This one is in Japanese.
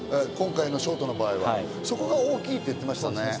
今回のショートの場合はそこが大きいと言ってましたね。